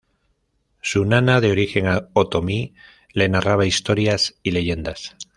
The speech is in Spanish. Su nana, de origen otomí, le narraba historias y leyendas.